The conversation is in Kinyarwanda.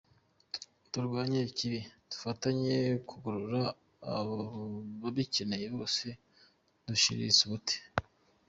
Turwanye ikibi, dufatanye kugorora ababikeneye bose dushiritse ubute.